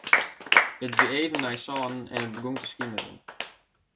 It wie even nei sânen en it begûn te skimerjen.